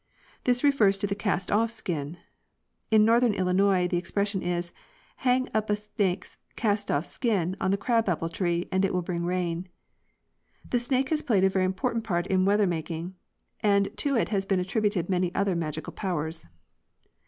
This refers to the cast off skin. In northern Illinois the expression is, " Hang up a snake's cast off skin on the crab apple tree and it will bring rain." The snake has played a very important part in weather making, and to it has been attributed many other magical powers.